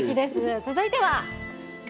続いては。